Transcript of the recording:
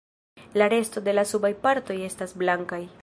La resto de la subaj partoj estas blankaj.